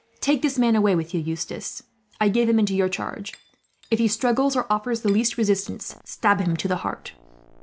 "Take this man away with you, Eustace. I give him into your charge. If he struggles, or offers the least resistance, stab him to the heart."